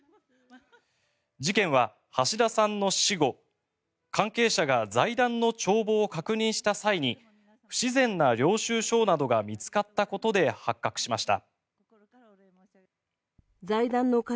事件は橋田さんの死後関係者が財団の帳簿を確認した際に不自然な領収書などが見つかったことで発覚しました。